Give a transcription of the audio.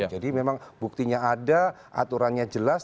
jadi memang buktinya ada aturannya jelas